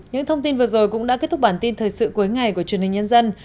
những thông tin vừa rồi cũng đã kết thúc bản tin thời sự cuối ngày của truyền hình nhân dân